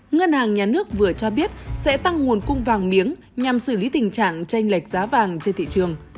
ngân hàng nhà nước vừa cho biết sẽ tăng nguồn cung vàng miếng nhằm xử lý tình trạng tranh lệch giá vàng trên thị trường